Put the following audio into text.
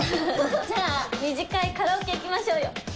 じゃあ２次会カラオケ行きましょうよ。